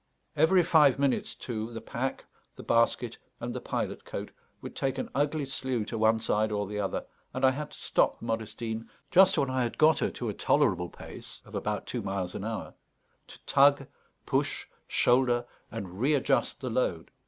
Every five minutes, too, the pack, the basket, and the pilot coat would take an ugly slew to one side or the other; and I had to stop Modestine, just when I had got her to a tolerable pace of about two miles an hour, to tug, push, shoulder, and readjust the load.